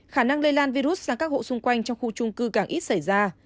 khả năng lây lan virus sang các hộ xung quanh trong khu trung cư càng ít xảy ra